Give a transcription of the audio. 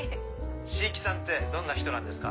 椎木さんってどんな人なんですか？